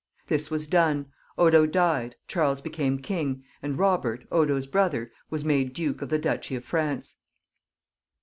This was done ; Odo died, Charles became king, and Eobert, Odo's brother, was made duke of the duchy of France.